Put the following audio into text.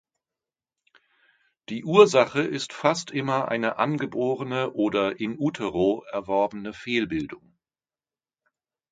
Die Ursache ist fast immer eine angeborene oder in utero erworbene Fehlbildung.